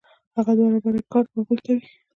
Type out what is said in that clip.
هغه دوه برابره کار په هغوی کوي